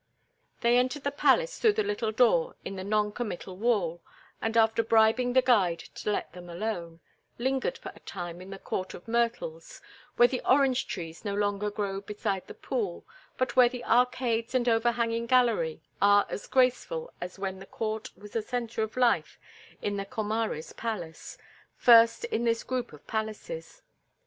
They entered the palace through the little door in the non committal wall, and, after bribing the guide to let them alone, lingered for a time in the Court of Myrtles, where the orange trees no longer grow beside the pool, but where the arcades and overhanging gallery are as graceful as when the court was the centre of life of the Comares Palace, first in this group of palaces.